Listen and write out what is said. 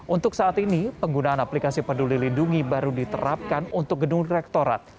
untuk saat ini penggunaan aplikasi peduli lindungi baru diterapkan untuk gedung rektorat